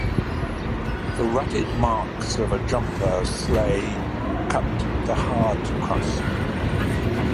The rutted marks of a jumper sleigh cut the hard crust.